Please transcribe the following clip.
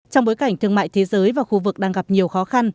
trong bối cảnh thương mại thế giới và khu vực đang gặp nhiều khó khăn